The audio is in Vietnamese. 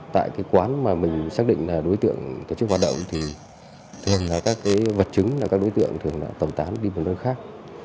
tại cái quán mà mình xác định là đối tượng tổ chức hoạt động thì thường là các cái vật chứng là các đối tượng thường tẩu tán đi một nơi khác